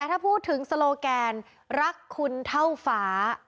ถ้าพูดถึงโซโลแกนรักคุณเท่าฟ้า